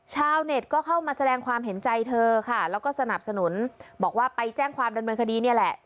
ชาวเน็ตก็เข้ามาแสดงความเห็นใจเธอค่ะแล้วก็สนับสนุนบอกว่าไปแจ้งความดำเนินคดีนี่แหละ